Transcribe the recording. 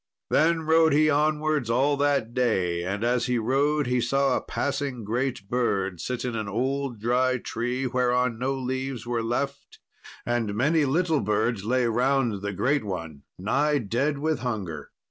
Then rode he onwards all that day, and as he rode he saw a passing great bird sit in an old dry tree, whereon no leaves were left; and many little birds lay round the great one, nigh dead with hunger.